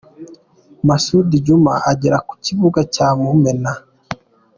Masud Djuma agera ku kibuga cya Mumena.